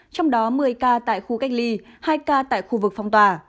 trong đó một mươi ca tại khu cách ly hai ca tại khu vực phong tỏa